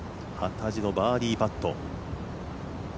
幡地のバーディーパット。